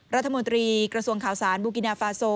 รัฐมนตรีกระทรวงข่าวสารบูกินาฟาโซ